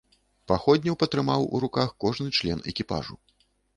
Паходню патрымаў у руках кожны член экіпажу.